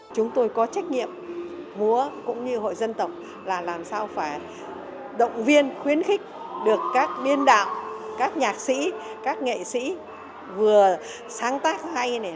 chúng tôi có trách nhiệm múa cũng như hội dân tộc là làm sao phải động viên khuyến khích được các biên đạo các nhạc sĩ các nghệ sĩ vừa sáng tác hay này lại vừa diễn tốt này